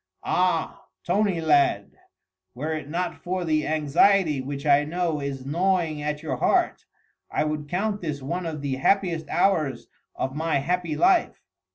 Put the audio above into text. Ah, Tony lad! were it not for the anxiety which I know is gnawing at your heart, I would count this one of the happiest hours of my happy life!"